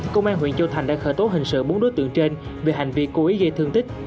công an huyện châu thành đã khởi tố hình sự bốn đối tượng trên về hành vi cố ý gây thương tích